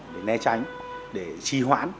để ne tránh để trì hoãn